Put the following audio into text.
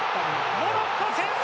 モロッコ先制！